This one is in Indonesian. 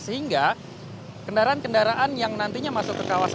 sehingga kendaraan kendaraan yang nantinya masuk ke kawasan